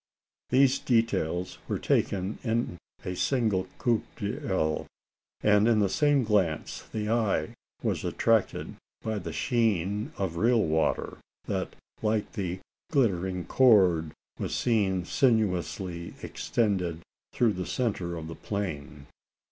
These details were taken in at a single coup d'oeil; and in the same glance the eye was attracted by the sheen of real water, that, like a glittering cord, was seen sinuously extended through the centre of the plain.